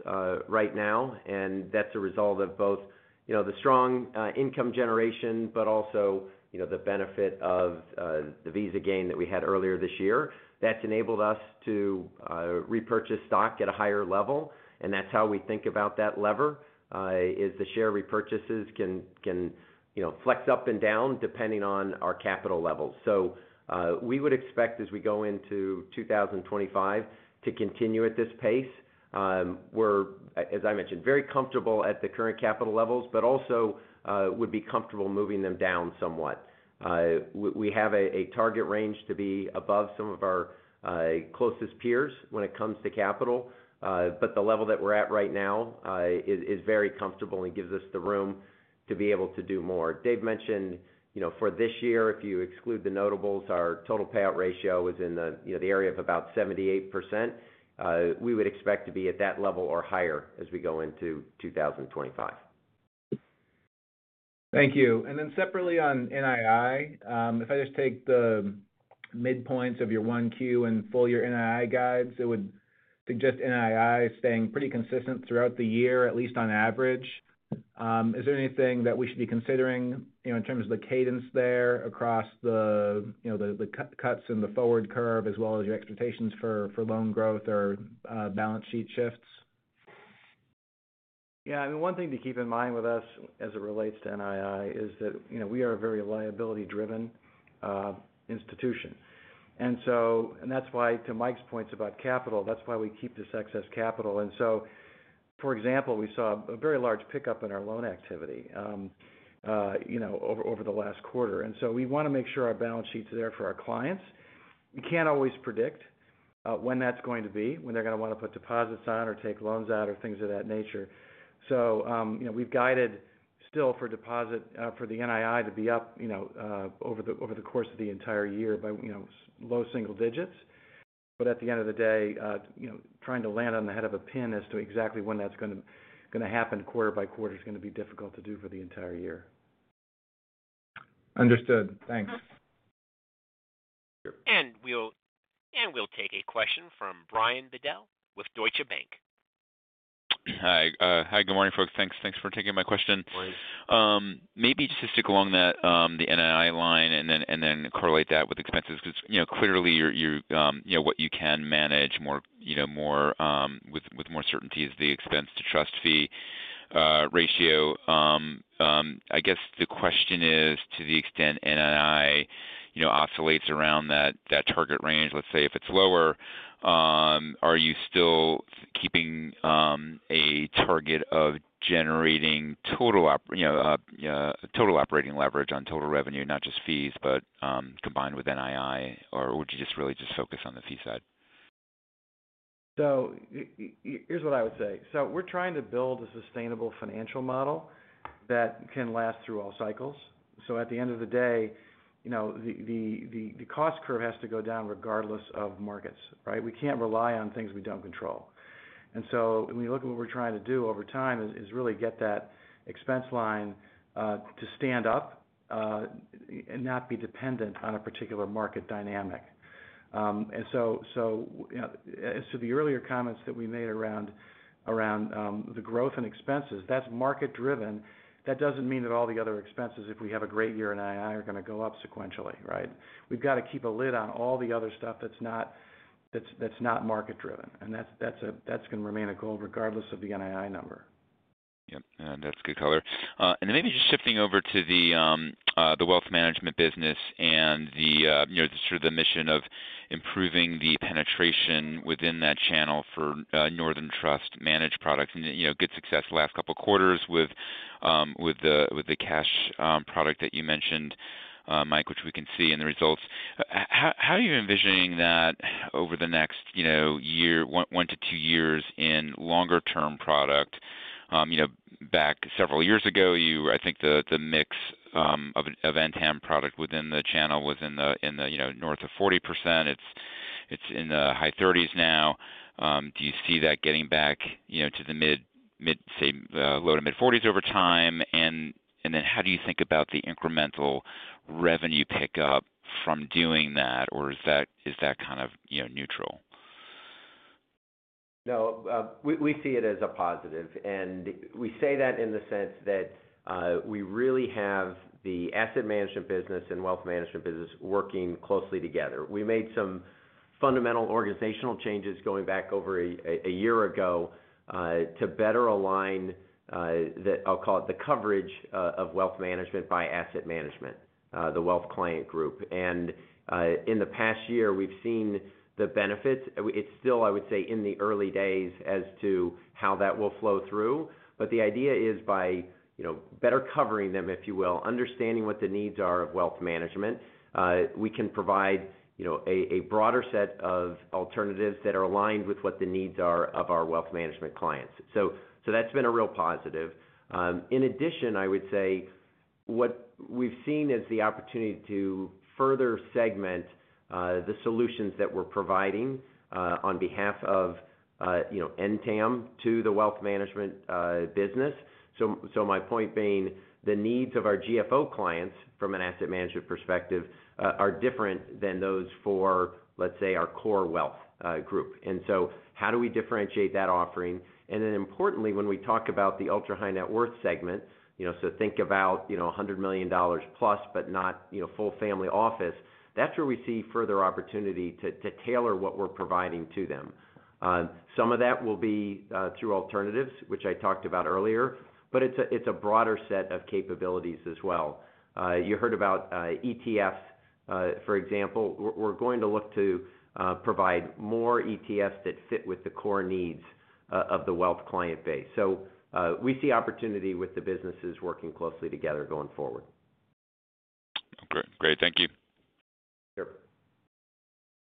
right now, and that's a result of both the strong income generation, but also the benefit of the Visa gain that we had earlier this year. That's enabled us to repurchase stock at a higher level, and that's how we think about that lever, is the share repurchases can flex up and down depending on our capital levels. So we would expect, as we go into 2025, to continue at this pace. We're, as I mentioned, very comfortable at the current capital levels, but also would be comfortable moving them down somewhat. We have a target range to be above some of our closest peers when it comes to capital, but the level that we're at right now is very comfortable and gives us the room to be able to do more. Dave mentioned for this year, if you exclude the notables, our total payout ratio is in the area of about 78%. We would expect to be at that level or higher as we go into 2025. Thank you. And then separately on NII, if I just take the midpoint of your one Q and full year NII guides, it would suggest NII staying pretty consistent throughout the year, at least on average. Is there anything that we should be considering in terms of the cadence there across the cuts and the forward curve, as well as your expectations for loan growth or balance sheet shifts? Yeah. I mean, one thing to keep in mind with us as it relates to NII is that we are a very liability-driven institution, and that's why, to Mike's points about capital, that's why we keep this excess capital, and so, for example, we saw a very large pickup in our loan activity over the last quarter, and so we want to make sure our balance sheet's there for our clients. We can't always predict when that's going to be, when they're going to want to put deposits on or take loans out or things of that nature, so we've guided still for deposit for the NII to be up over the course of the entire year by low single digits. But at the end of the day, trying to land on the head of a pin as to exactly when that's going to happen quarter by quarter is going to be difficult to do for the entire year. Understood. Thanks. Sure. And we'll take a question from Brian Bedell with Deutsche Bank. Hi. Hi. Good morning, folks. Thanks for taking my question. Maybe just to stick along the NII line and then correlate that with expenses because clearly what you can manage more with more certainty is the expense-to-trust fee ratio. I guess the question is, to the extent NII oscillates around that target range, let's say if it's lower, are you still keeping a target of generating total operating leverage on total revenue, not just fees, but combined with NII, or would you just really just focus on the fee side? So here's what I would say. So we're trying to build a sustainable financial model that can last through all cycles. So at the end of the day, the cost curve has to go down regardless of markets, right? We can't rely on things we don't control. And so when you look at what we're trying to do over time is really get that expense line to stand up and not be dependent on a particular market dynamic. And so to the earlier comments that we made around the growth and expenses, that's market-driven. That doesn't mean that all the other expenses, if we have a great year, NII are going to go up sequentially, right? We've got to keep a lid on all the other stuff that's not market-driven. And that's going to remain a goal regardless of the NII number. Yep. That's good color. And then maybe just shifting over to the Wealth Management business and sort of the mission of improving the penetration within that channel for Northern Trust managed products. Good success the last couple of quarters with the cash product that you mentioned, Mike, which we can see in the results. How are you envisioning that over the next year, one to two years in longer-term product? Back several years ago, I think the mix of NTAM product within the channel was in the north of 40%. It's in the high 30s% now. Do you see that getting back to the mid low to mid 40s% over time? And then how do you think about the incremental revenue pickup from doing that, or is that kind of neutral? No, we see it as a positive. And we say that in the sense that we really have the Asset Management business and Wealth Management business working closely together. We made some fundamental organizational changes going back over a year ago to better align, I'll call it the coverage of Wealth Management by Asset Management, the Wealth Client Group. And in the past year, we've seen the benefits. It's still, I would say, in the early days as to how that will flow through. But the idea is by better covering them, if you will, understanding what the needs are of Wealth Management, we can provide a broader set of alternatives that are aligned with what the needs are of our Wealth Management clients. So that's been a real positive. In addition, I would say what we've seen is the opportunity to further segment the solutions that we're providing on behalf of NTAM to the Wealth Management business, so my point being, the needs of our GFO clients from an Asset Management perspective are different than those for, let's say, our core wealth group, and so how do we differentiate that offering, and then importantly, when we talk about the ultra-high net worth segment, so think about $100 million plus, but not full family office, that's where we see further opportunity to tailor what we're providing to them. Some of that will be through alternatives, which I talked about earlier, but it's a broader set of capabilities as well. You heard about ETFs, for example. We're going to look to provide more ETFs that fit with the core needs of the wealth client base. So we see opportunity with the businesses working closely together going forward. Great. Thank you. Sure.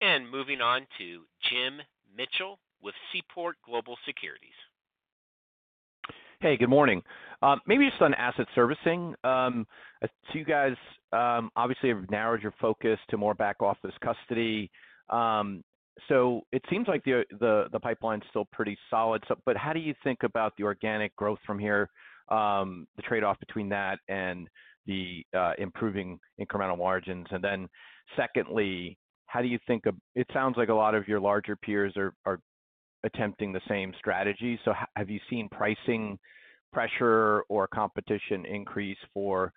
And moving on to Jim Mitchell with Seaport Global Securities. Hey, good morning. Maybe just on Asset Servicing. So you guys obviously have narrowed your focus to more back office custody. So it seems like the pipeline's still pretty solid. But how do you think about the organic growth from here, the trade-off between that and the improving incremental margins? And then secondly, how do you think of it? It sounds like a lot of your larger peers are attempting the same strategy. So have you seen pricing pressure or competition increase for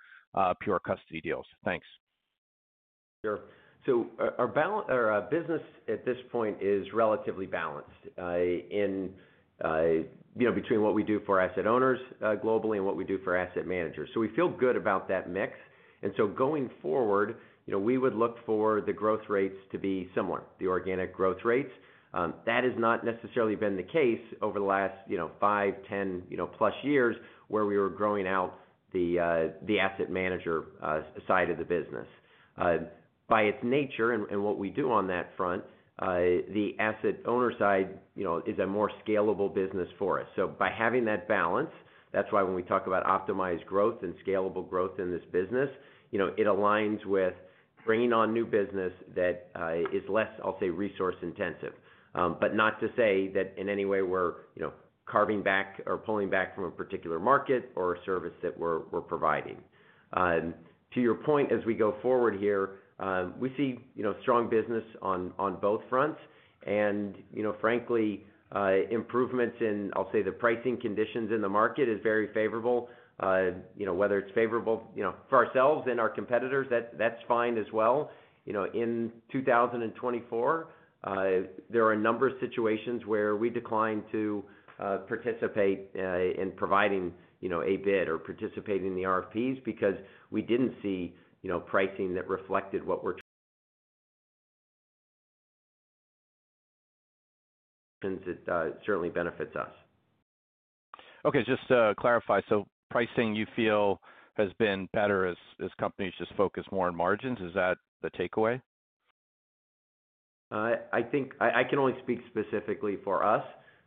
pure custody deals? Thanks. Sure. So our business at this point is relatively balanced between what we do for asset owners globally and what we do for asset managers. So we feel good about that mix. And so going forward, we would look for the growth rates to be similar, the organic growth rates. That has not necessarily been the case over the last five, 10-plus years where we were growing out the asset manager side of the business. By its nature and what we do on that front, the asset owner side is a more scalable business for us. So by having that balance, that's why when we talk about optimized growth and scalable growth in this business, it aligns with bringing on new business that is less, I'll say, resource-intensive. But not to say that in any way we're carving back or pulling back from a particular market or a service that we're providing. To your point, as we go forward here, we see strong business on both fronts. And frankly, improvements in, I'll say, the pricing conditions in the market is very favorable. Whether it's favorable for ourselves and our competitors, that's fine as well. In 2024, there are a number of situations where we declined to participate in providing a bid or participate in the RFPs because we didn't see pricing that reflected what we're trying. It certainly benefits us. Okay. Just to clarify, so pricing you feel has been better as companies just focus more on margins. Is that the takeaway? I can only speak specifically for us,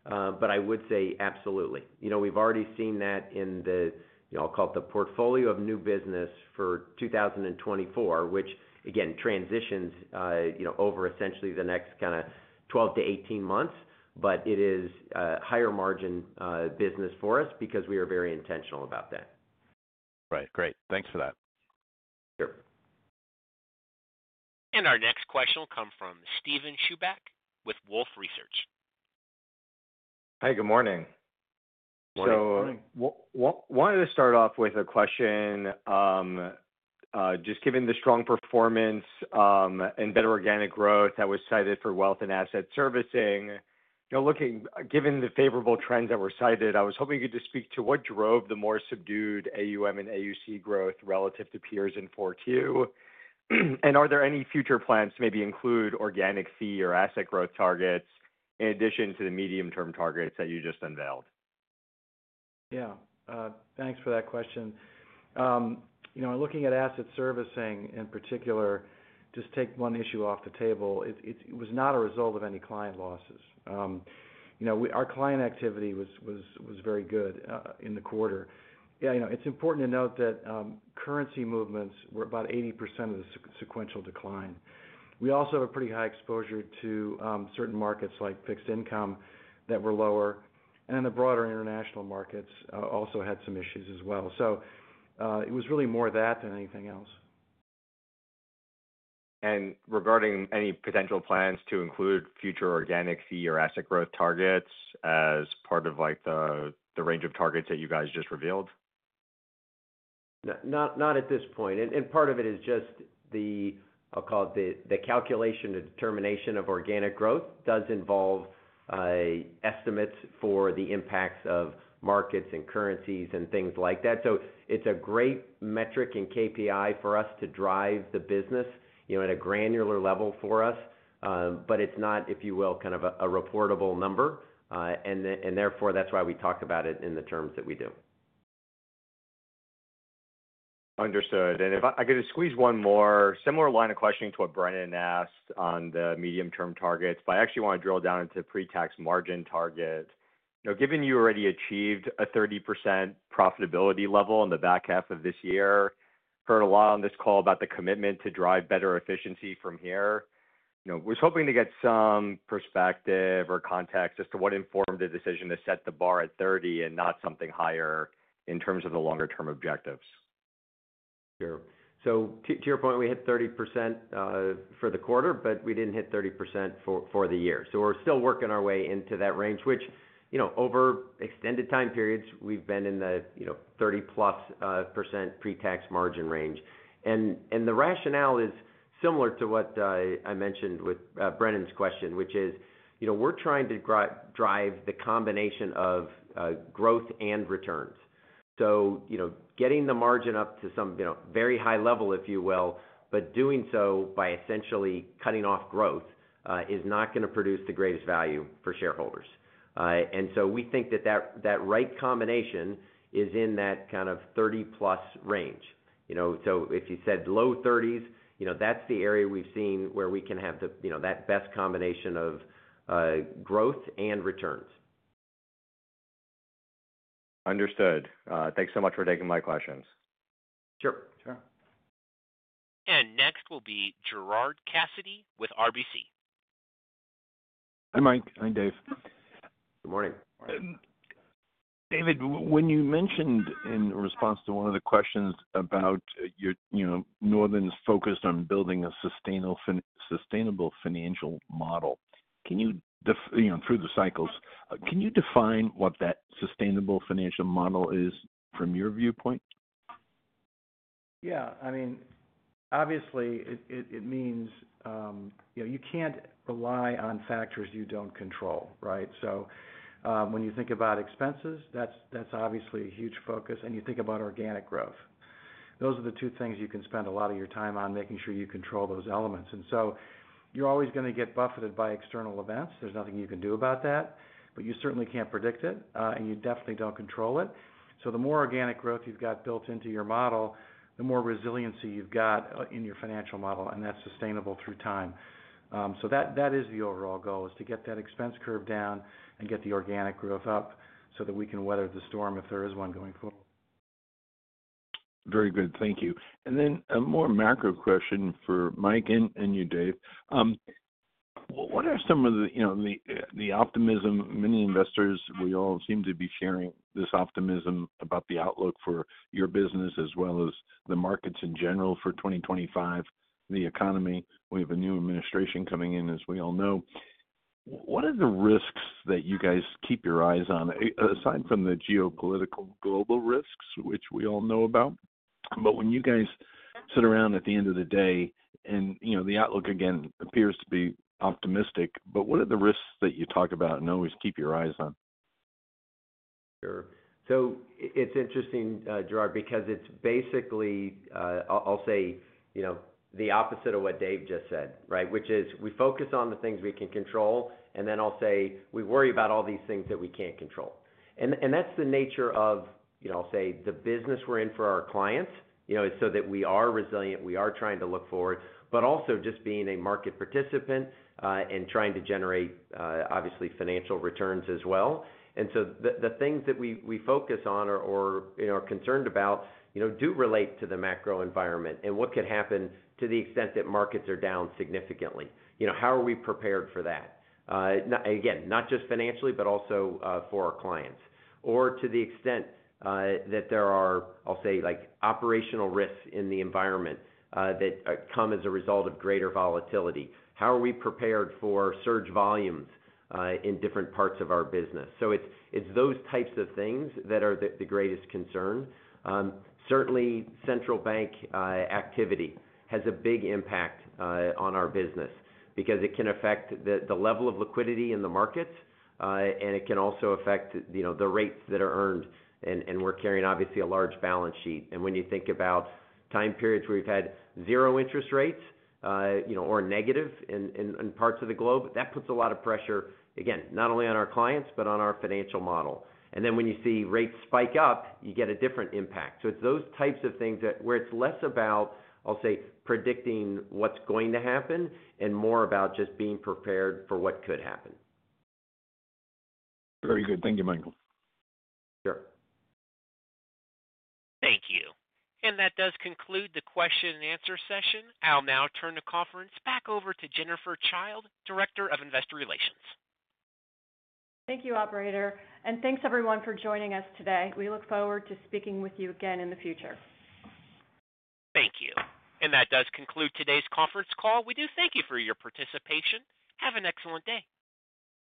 but I would say absolutely. We've already seen that in the, I'll call it the portfolio of new business for 2024, which, again, transitions over essentially the next kind of 12 to 18 months, but it is a higher margin business for us because we are very intentional about that. Right. Great. Thanks for that. Sure. And our next question will come from Steven Chubak with Wolfe Research. Hi. Good morning. Good morning. So I wanted to start off with a question. Just given the strong performance and better organic growth that was cited for wealth and Asset Servicing, given the favorable trends that were cited, I was hoping you could just speak to what drove the more subdued AUM and AUC growth relative to peers in 4Q. And are there any future plans to maybe include organic fee or asset growth targets in addition to the medium-term targets that you just unveiled? Yeah. Thanks for that question. Looking at Asset Servicing in particular, just take one issue off the table, it was not a result of any client losses. Our client activity was very good in the quarter. It's important to note that currency movements were about 80% of the sequential decline. We also have a pretty high exposure to certain markets like fixed income that were lower. Then the broader international markets also had some issues as well. It was really more that than anything else. Regarding any potential plans to include future organic fee or asset growth targets as part of the range of targets that you guys just revealed? Not at this point. Part of it is just the, I'll call it the calculation, the determination of organic growth does involve estimates for the impacts of markets and currencies and things like that. It's a great metric and KPI for us to drive the business at a granular level for us, but it's not, if you will, kind of a reportable number. Therefore, that's why we talk about it in the terms that we do. Understood. And if I could just squeeze one more similar line of questioning to what Brennan asked on the medium-term targets, but I actually want to drill down into pre-tax margin target. Now, given you already achieved a 30% profitability level in the back half of this year, heard a lot on this call about the commitment to drive better efficiency from here. I was hoping to get some perspective or context as to what informed the decision to set the bar at 30 and not something higher in terms of the longer-term objectives. Sure. So to your point, we hit 30% for the quarter, but we didn't hit 30% for the year. So we're still working our way into that range, which, over extended time periods, we've been in the 30-plus% pre-tax margin range. And the rationale is similar to what I mentioned with Brennan's question, which is we're trying to drive the combination of growth and returns. So getting the margin up to some very high level, if you will, but doing so by essentially cutting off growth is not going to produce the greatest value for shareholders. And so we think that that right combination is in that kind of 30-plus range. So if you said low 30s, that's the area we've seen where we can have that best combination of growth and returns. Understood. Thanks so much for taking my questions. Sure. Sure. And next will be Gerard Cassidy with RBC. Hi, Mike. Hi, Dave. Good morning. David, when you mentioned in response to one of the questions about Northern's focused on building a sustainable financial model through the cycles, can you define what that sustainable financial model is from your viewpoint? Yeah. I mean, obviously, it means you can't rely on factors you don't control, right? So when you think about expenses, that's obviously a huge focus, and you think about organic growth. Those are the two things you can spend a lot of your time on making sure you control those elements. And so you're always going to get buffeted by external events. There's nothing you can do about that, but you certainly can't predict it, and you definitely don't control it. So the more organic growth you've got built into your model, the more resiliency you've got in your financial model, and that's sustainable through time. So that is the overall goal, is to get that expense curve down and get the organic growth up so that we can weather the storm if there is one going forward. Very good. Thank you. And then a more macro question for Mike and you, Dave. What are some of the optimism? Many investors, we all seem to be sharing this optimism about the outlook for your business as well as the markets in general for 2025, the economy. We have a new administration coming in, as we all know. What are the risks that you guys keep your eyes on, aside from the geopolitical global risks, which we all know about? But when you guys sit around at the end of the day, and the outlook, again, appears to be optimistic, but what are the risks that you talk about and always keep your eyes on? Sure. So it's interesting, Gerard, because it's basically, I'll say, the opposite of what Dave just said, right? Which is we focus on the things we can control, and then I'll say we worry about all these things that we can't control. And that's the nature of, I'll say, the business we're in for our clients is so that we are resilient, we are trying to look forward, but also just being a market participant and trying to generate, obviously, financial returns as well. And so the things that we focus on or are concerned about do relate to the macro environment and what could happen to the extent that markets are down significantly. How are we prepared for that? Again, not just financially, but also for our clients. Or to the extent that there are, I'll say, operational risks in the environment that come as a result of greater volatility. How are we prepared for surge volumes in different parts of our business? So it's those types of things that are the greatest concern. Certainly, central bank activity has a big impact on our business because it can affect the level of liquidity in the markets, and it can also affect the rates that are earned. And we're carrying, obviously, a large balance sheet. And when you think about time periods where we've had zero interest rates or negative in parts of the globe, that puts a lot of pressure, again, not only on our clients, but on our financial model. And then when you see rates spike up, you get a different impact. So it's those types of things where it's less about, I'll say, predicting what's going to happen and more about just being prepared for what could happen. Very good. Thank you, Michael. Sure. Thank you. And that does conclude the question-and-answer session. I'll now turn the conference back over to Jennifer Childe, Director of Investor Relations. Thank you, Operator. And thanks, everyone, for joining us today. We look forward to speaking with you again in the future. Thank you. And that does conclude today's conference call. We do thank you for your participation. Have an excellent day.